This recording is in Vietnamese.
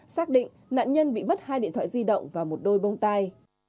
xác định nạn nhân bị mất hai điện thoại di động và một đôi bông tai